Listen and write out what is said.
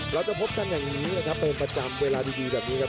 เราจะพบกันอย่างนี้นะครับเป็นประจำเวลาดีแบบนี้ครับ